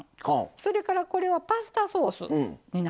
それからこれはパスタソースになりますね。